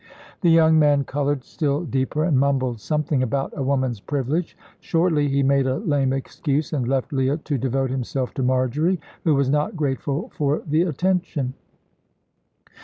The young man coloured still deeper, and mumbled something about a woman's privilege. Shortly he made a lame excuse, and left Leah to devote himself to Marjory, who was not grateful for the attention.